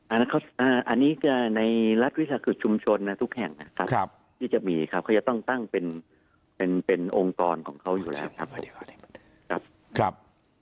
อันนี้จะในรัฐวิสาหกิจชุมชนนะทุกแห่งนะครับที่จะมีครับเขาจะต้องตั้งเป็นองค์กรของเขาอยู่แล้วครับ